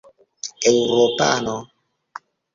eŭropano